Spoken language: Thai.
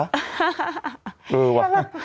คือวะ